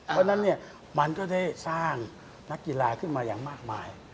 เพราะฉะนั้นเนี่ยมันก็ได้สร้างนักกีฬาขึ้นมาอย่างมากมาย